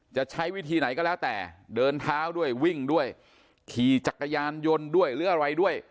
จะใช้วิธีไหนก็แล้วแต่เดินเท้าด้วยวิ่งด้วยขี่จักรยานยนต์ด้วยหรืออะไรด้วย